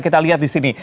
kita lihat di sini